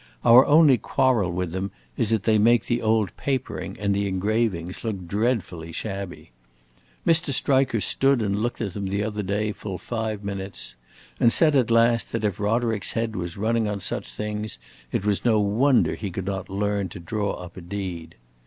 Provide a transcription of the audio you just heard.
Our only quarrel with them is that they make the old papering and the engravings look dreadfully shabby. Mr. Striker stood and looked at them the other day full five minutes, and said, at last, that if Roderick's head was running on such things it was no wonder he could not learn to draw up a deed.